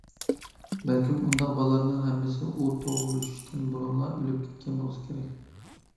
بەلكىم ئۇنداق بالىلارنىڭ ھەممىسى ئۇ تۇغۇلۇشتىن بۇرۇنلا ئۆلۈپ كەتكەن بولسا كېرەك.